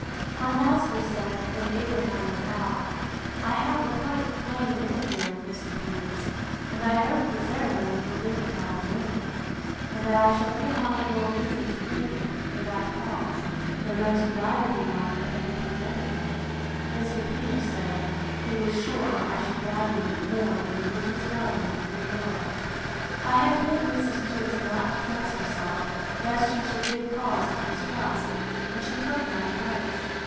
My master said, when Abraham was out, I have a quite plain ring here, Mr. Peters: And I hope the ceremony will dignify the ring; and that I shall give my girl reason to think it, for that cause, the most valuable one that can be presented her. Mr. Peters said, He was sure I should value it more than the richest diamond in the world. I had bid Mrs. Jewkes not to dress herself, lest she should give cause of mistrust; and she took my advice.